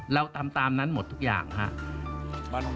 เราทำตามนั้นหมดทุกอย่างครับ